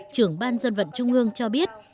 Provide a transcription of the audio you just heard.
trưởng ban dân vận trung ương cho biết